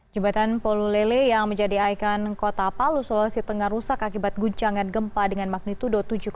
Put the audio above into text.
jembatan polulele yang menjadi ikon kota palu sulawesi tengah rusak akibat guncangan gempa dengan magnitudo tujuh empat